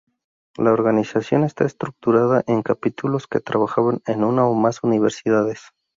La organización está estructurada en capítulos que trabajan en una o más universidades.